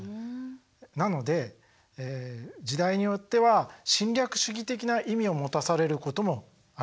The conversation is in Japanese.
なので時代によっては侵略主義的な意味を持たされることもありました。